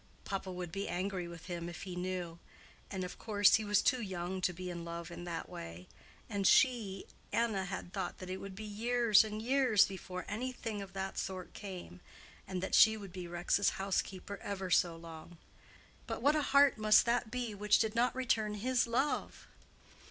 Papa would be angry with him if he knew. And of course he was too young to be in love in that way; and she, Anna had thought that it would be years and years before any thing of that sort came, and that she would be Rex's housekeeper ever so long. But what a heart must that be which did not return his love!